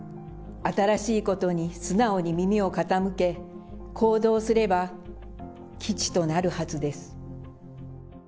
新しいことに素直に耳を傾け行動すれば、吉となるはずです。